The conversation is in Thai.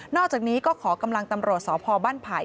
อกจากนี้ก็ขอกำลังตำรวจสพบ้านไผ่